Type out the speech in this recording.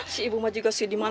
si ibu mah juga sediman